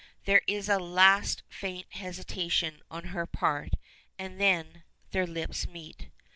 There is a last faint hesitation on her part, and then their lips meet.